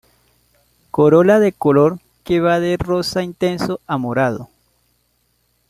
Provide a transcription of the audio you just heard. Corola de color que va de rosa intenso a morado.